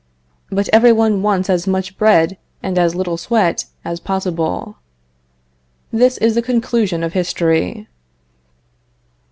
But every one wants as much bread and as little sweat as possible. This is the conclusion of history.